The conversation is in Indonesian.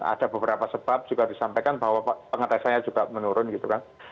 ada beberapa sebab juga disampaikan bahwa pengetesannya juga menurun gitu kan